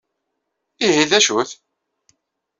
Ihi d acu-t?